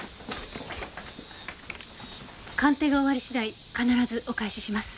鑑定が終わり次第必ずお返しします。